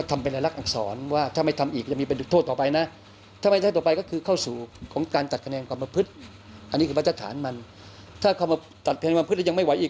ถ้าเขามาจัดแขนงกรรมพฤติแล้วยังไม่ไหวอีก